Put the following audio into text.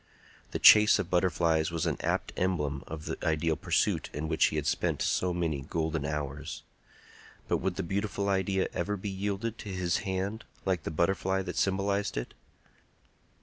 The chase of butterflies was an apt emblem of the ideal pursuit in which he had spent so many golden hours; but would the beautiful idea ever be yielded to his hand like the butterfly that symbolized it?